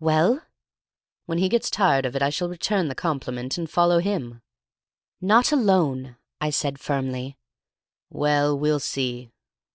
"Well?" "When he gets tired of it I shall return the compliment and follow him." "Not alone," said I, firmly. "Well, we'll see.